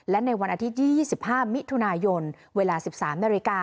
และในวันอาทิตย์๒๕มิถุนายนเวลา๑๓นาฬิกา